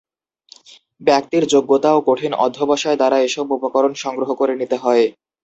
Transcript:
ব্যক্তির যোগ্যতা ও কঠিন অধ্যবসায় দ্বারা এসব উপকরণ সংগ্রহ করে নিতে হয়।